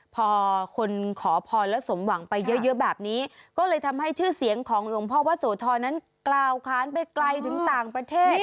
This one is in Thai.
พอคนขอพรแล้วสมหวังไปเยอะแบบนี้ก็เลยทำให้ชื่อเสียงของหลวงพ่อวะโสธรนั้นกล่าวค้านไปไกลถึงต่างประเทศ